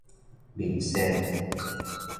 面善